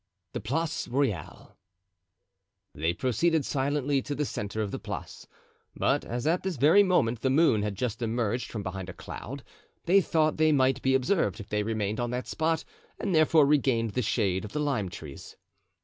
The Place Royale. They proceeded silently to the centre of the Place, but as at this very moment the moon had just emerged from behind a cloud, they thought they might be observed if they remained on that spot and therefore regained the shade of the lime trees.